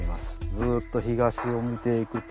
ずっと東を見ていくと。